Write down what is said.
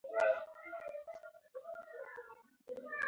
ښځې کولای شي خپل استعداد څرګند کړي.